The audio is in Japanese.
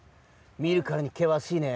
みるからにけわしいね。